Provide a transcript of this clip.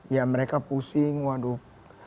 ya mereka pusing waduh